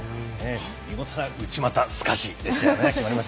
見事な内股すかしでしたよね。